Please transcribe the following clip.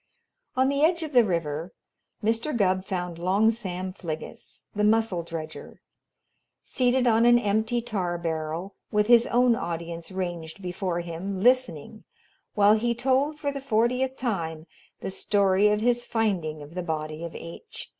On the edge of the river, Mr. Gubb found Long Sam Fliggis, the mussel dredger, seated on an empty tar barrel with his own audience ranged before him listening while he told, for the fortieth time, the story of his finding of the body of H.